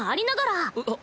あっ。